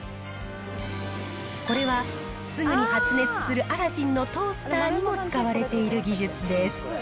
これは、すぐに発熱するアラジンのトースターにも使われている技術です。